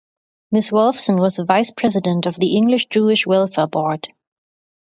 Mrs Wolfson was a Vice-President of the English Jewish Welfare Board.